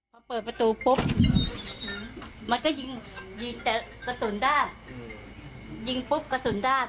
พอเปิดประตูพบมันก็ยิงแต่กระสุนด้านยืงพบกระสุนด้าน